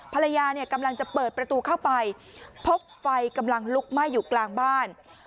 ภรรยาเนี่ยกำลังจะเปิดประตูเข้าไปพบไฟกำลังลุกไหม้อยู่กลางบ้าน